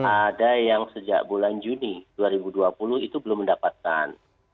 ada yang sejak bulan juni dua ribu dua puluh itu belum mendapatkan